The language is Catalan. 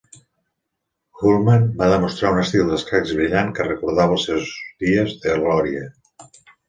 Uhlmann va demostrar un estil d'escacs brillant que recordava els seus dies de glòria.